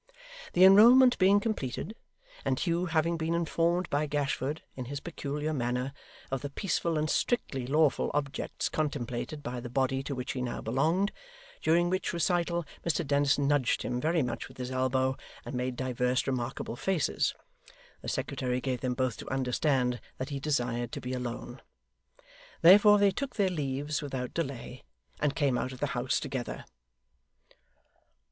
The enrolment being completed, and Hugh having been informed by Gashford, in his peculiar manner, of the peaceful and strictly lawful objects contemplated by the body to which he now belonged during which recital Mr Dennis nudged him very much with his elbow, and made divers remarkable faces the secretary gave them both to understand that he desired to be alone. Therefore they took their leaves without delay, and came out of the house together.